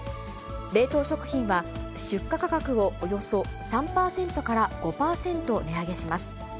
冷凍食品は、出荷価格をおよそ３％から５％値上げします。